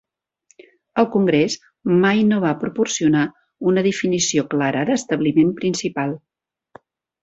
El Congrés mai no va proporcionar una definició clara d'establiment principal.